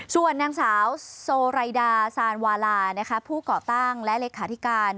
ส่วนนางสาวโซไรดาซานวาลาผู้ก่อตั้งและเลขาธิการ